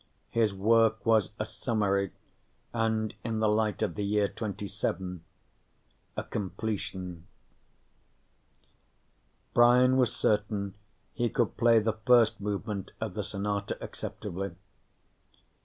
His work was a summary and, in the light of the year 2070, a completion. Brian was certain he could play the first movement of the sonata acceptably.